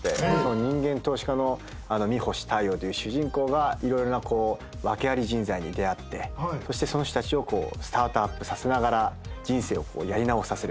人間投資家の三星大陽という主人公が色々な訳あり人材に出会ってそしてその人たちをスタートアップさせながら人生をやり直させる。